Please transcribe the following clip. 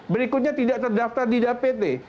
berikutnya tidak terdaftar di dpt